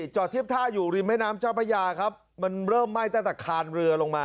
จอดเทียบท่าอยู่ริมแม่น้ำเจ้าพระยาครับมันเริ่มไหม้ตั้งแต่คานเรือลงมา